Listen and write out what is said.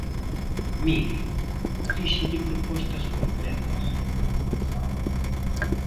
Mire, fíxenlle propostas concretas.